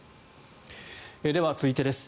では、続いてです。